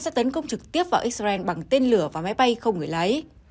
sẽ tấn công trực tiếp vào israel bằng tên lửa và máy bay không người lái